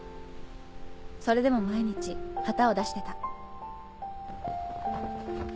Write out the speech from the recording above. それでも毎日旗を出してた。